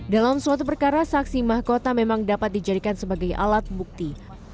dalam suatu perkara saksi mahkota memang dapat dijadikan sebagai alat bukti